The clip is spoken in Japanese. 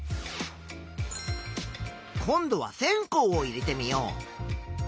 今度は線香を入れてみよう。